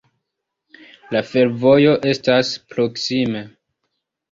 La fervojo estas proksime.